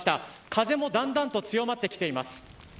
風も、だんだんと強まってきています。